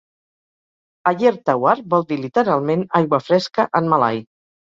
"Ayer Tawar" vol dir literalment "aigua fresca" en malai.